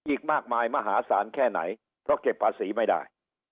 อีกมากมายมหาศาลแค่ไหนเพราะเก็บภาษีไม่ได้